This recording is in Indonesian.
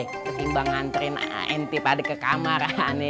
ketimbang ngantriin entipade ke kamar aneh